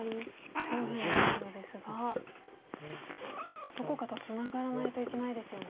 上辺の白ですがどこかとツナがらないといけないですよね。